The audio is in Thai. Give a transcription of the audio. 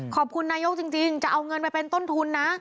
ขอบคุณนายกจริงจะเอาเงินไปเป็นต้นทุนนะ